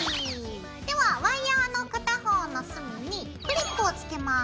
ではワイヤーの片方の隅にクリップをつけます。